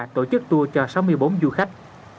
tổ chức tour cho sáu mươi bốn du khách